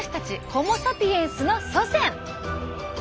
ホモ・サピエンスの祖先！